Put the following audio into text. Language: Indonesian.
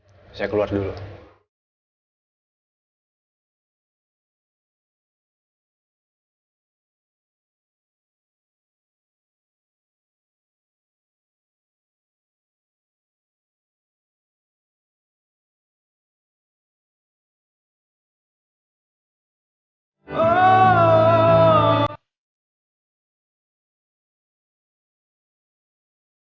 gak ada apa apa